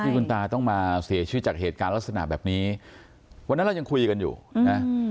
คุณตาต้องมาเสียชีวิตจากเหตุการณ์ลักษณะแบบนี้วันนั้นเรายังคุยกันอยู่นะ